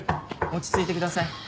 落ち着いてください。